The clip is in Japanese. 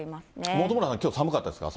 本村さん、きょう寒かったですか、朝。